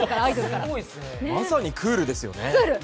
まさにクールですよね。